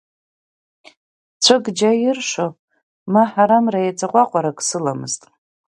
Ҵәык џьа иршо, ма ҳарамра еиҵаҟәаҟәак сыламызт.